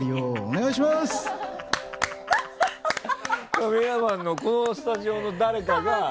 カメラマンのこのスタジオの誰かが。